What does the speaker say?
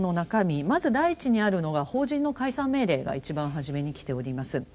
まず第一にあるのが「法人の解散命令」が一番はじめにきております。